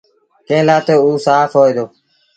ڪݩهݩ لآ تا اوٚ سآڦ هوئي دو۔